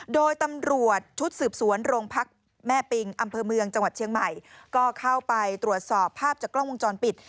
โดยตำรวจชุดสืบสวนโรงพักแม่ปิงอำเภอเมืองจังหวัดเชียงใหม่ก็เข้าไปตรวจสอบภาพจากกล้องวงจรปิด